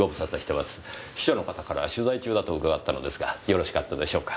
秘書の方から取材中だと伺ったのですがよろしかったでしょうか。